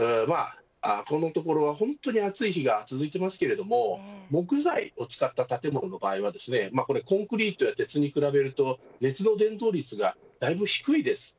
このところ本当に暑い日が続きますけれども木材を使った建物の場合はコンクリートや鉄に比べると熱の伝導率がだいぶ低いです。